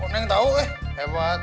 neng tahu hebat